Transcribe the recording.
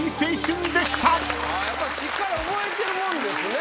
やっぱりしっかり覚えてるもんですね。